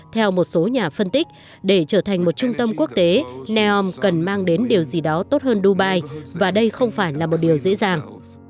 theo một số nhà phân tích để trở thành một trung tâm quốc tế neom cần mang đến điều gì đó tốt hơn dubai và đây không phải là một điều dễ dàng